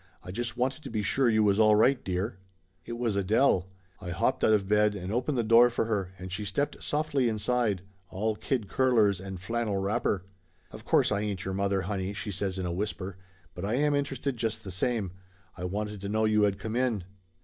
"I just wanted to be sure you was all right, dear!" It was Adele. I hopped out of bed and opened the door for her, and she stepped softly inside, all kid curlers and flannel wrapper. "Of course I ain't your mother, honey," she says in a whisper, "but I am interested, just the same. I wanted to know you had come in."